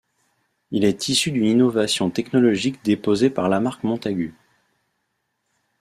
Il est issu d'une innovation technologique déposée par la marque Montagut.